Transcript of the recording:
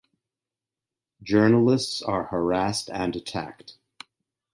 Journalists are harassed and attacked.